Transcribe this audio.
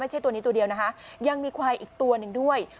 ตัวนี้ตัวเดียวนะคะยังมีควายอีกตัวหนึ่งด้วย